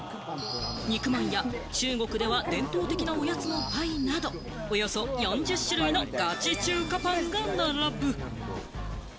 肉まんや、中国では伝統的なおやつのパイなど、およそ４０種類のガチ中華パンが並ぶ。